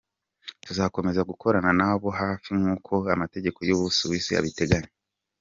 Tuzakomeza gukorana na bo hafi nk’uko amategeko y’u Busuwisi abiteganya.